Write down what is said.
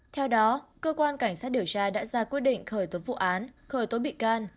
theo đó cơ quan cảnh sát điều tra đã ra quyết định khởi tố vụ án khởi tố bị can